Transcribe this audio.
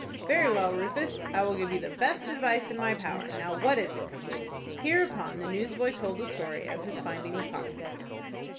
"Very well, Rufus, I will give you the best advice in my power. Now what is it?" Hereupon the newsboy told the story of his finding the pocket book.